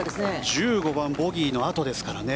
１５番ボギーのあとですからね